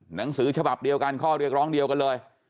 หนังสือฉบับเดียวกันข้อเรียกร้องเดียวกันเลย